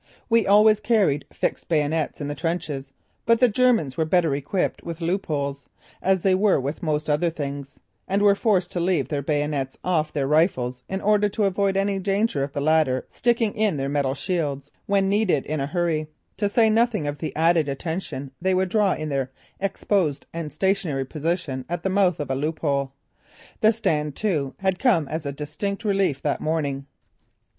We always carried fixed bayonets in the trenches but the Germans were better equipped with loopholes, as they were with most other things, and were forced to leave their bayonets off their rifles in order to avoid any danger of the latter sticking in their metal shields when needed in a hurry, to say nothing of the added attention they would draw in their exposed and stationary position at the mouth of a loophole. The "Stand to" had come as a distinct relief that morning.